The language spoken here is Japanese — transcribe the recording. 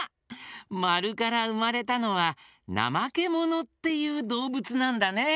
まるからうまれたのはなまけものっていうどうぶつなんだね。